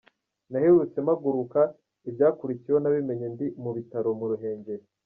Naherutse mpaguruka ibyakurikiyeho nabimenye ndi mu bitaro mu Ruhengeri.